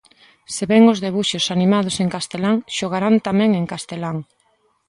Se ven os debuxos animados en castelán, xogarán tamén en castelán.